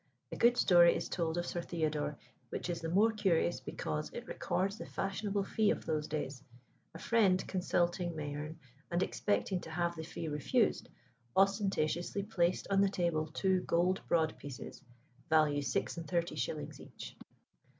A good story is told of Sir Theodore, which is the more curious because it records the fashionable fee of those days. A friend consulting Mayerne, and expecting to have the fee refused, ostentatiously placed on the table two gold broad pieces (value six and thirty shillings each).